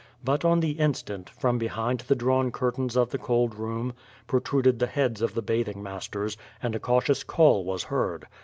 But on the instant, from behind the drawn curtains of the cold room, protruded the heads of the bath ing masters, and a cautious call was heard.